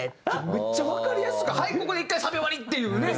めっちゃわかりやすくはいここで１回サビ終わり！っていうね。